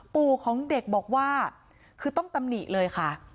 ปู่ของเด็กบอกว่าคือต้องตำหนิเลยค่ะ